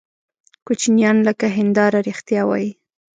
کوچنیان لکه هنداره رښتیا وایي.